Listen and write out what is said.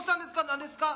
何ですか？